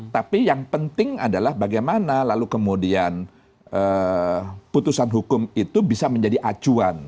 tapi yang penting adalah bagaimana lalu kemudian putusan hukum itu bisa menjadi acuan